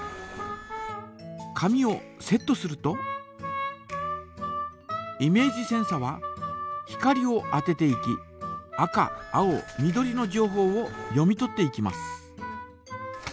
紙をセットするとイメージセンサは光を当てていき赤青緑のじょうほうを読み取っていきます。